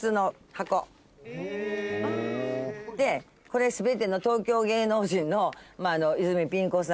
これ全て東京芸能人の。